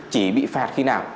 chỉ bị phạt khi nào